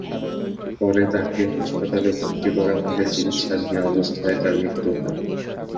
পরে তাঁকে হাসপাতালে ভর্তি করা হলে চিকিৎসাধীন অবস্থায় তাঁর মৃত্যু হয়।